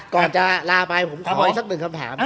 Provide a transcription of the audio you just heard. ก่อนจะลาไปผมขออีกสักหนึ่งคำถาม